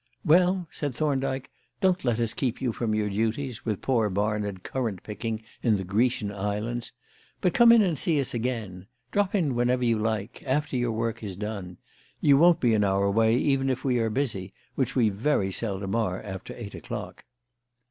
"Well," said Thorndyke, "don't let us keep you from your duties, with poor Barnard currant picking in the Grecian Isles. But come in and see us again. Drop in when you like, after your work is done. You won't be in our way even if we are busy, which we very seldom are after eight o'clock."